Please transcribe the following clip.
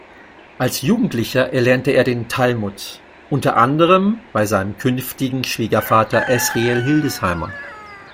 Als Jugendlicher erlernte er den Talmud, unter anderem bei seinem künftigen Schwiegervater Esriel Hildesheimer.